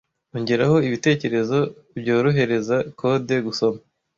Ongeraho ibitekerezo byorohereza kode gusoma.